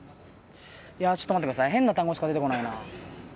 ちょっと待ってください、変な単語しか出てこないな。